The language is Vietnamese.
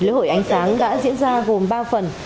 kỳ vĩ lễ hội ánh sáng đã diễn ra gồm ba phần